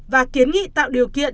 và kiến nghị tạo điều kiện